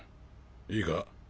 いいか？